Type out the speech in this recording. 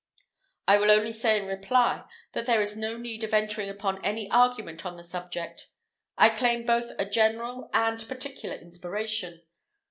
I will only say in reply, that there is no need of entering upon any argument on the subject. I claim both a general and particular inspiration.